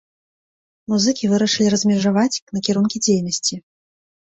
Музыкі вырашылі размежаваць накірункі дзейнасці.